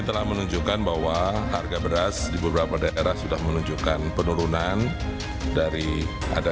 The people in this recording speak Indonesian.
telah menunjukkan bahwa harga beras di beberapa daerah sudah menunjukkan penurunan dari ada